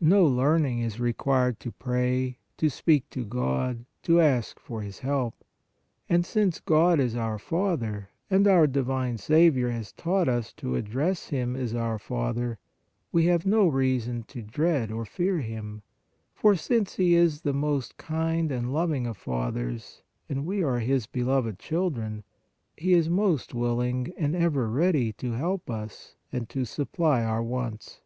No learning is required to pray, to speak to God, to ask for His help. And since God is our Father, and our divine Saviour has taught us to address Him as our Father, we have no reason to dread or fear Him, for since He is the most kind and loving of fathers and we are His beloved children, He is most willing and ever ready to help us and to supply our wants.